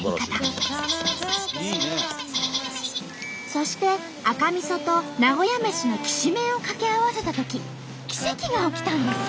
そして赤みそと名古屋メシのきしめんを掛け合わせたとき奇跡が起きたんです。